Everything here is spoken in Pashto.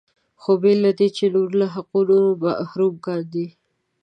خو بې له دې چې نور له حقونو محروم کاندي.